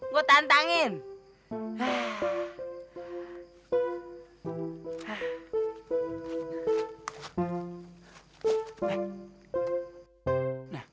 mati ya allah